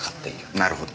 なるほど。